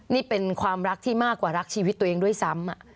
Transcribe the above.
นี่เป็นความรักที่มากกว่ารักชีวิตตัวเองด้วยซ้ำ